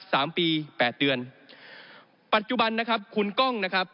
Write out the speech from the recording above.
สามปีแปดเดือนปัจจุบันนะครับคุณกล้องนะครับ